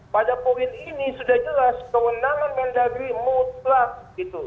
pada poin ini sudah jelas kewenangan mendagri mutlak gitu